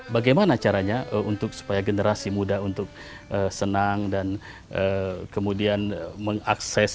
bagaimana caranya untuk supaya generasi muda untuk senang dan kemudian mengakses